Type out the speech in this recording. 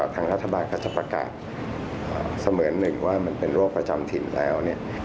ทางรัฐบาลก็จะประกาศเสมือนหนึ่งว่ามันเป็นโรคประจำถิ่นแล้วเนี่ย